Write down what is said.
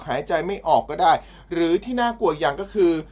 หายใจไม่ออกก็ได้หรือที่น่ากลัวอีกอย่างก็คือ